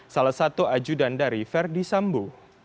salah satu ajudan dari verdi sambo